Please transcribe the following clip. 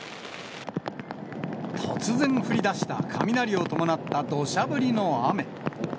突然降りだした、雷を伴ったどしゃ降りの雨。